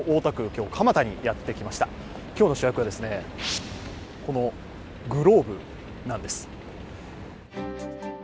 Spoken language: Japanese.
今日の主役は、このグローブなんです。